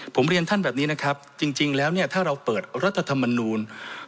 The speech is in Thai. ผมเรียนท่านแบบนี้นะครับจริงแล้วเนี่ยถ้าเราเปิดรัฐธรรมนูล